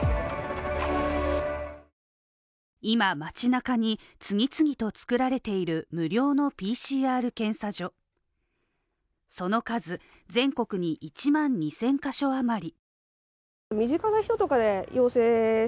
今街中に次々と作られている無料のＰＣＲ検査所その数、全国に１万２０００ヶ所余り。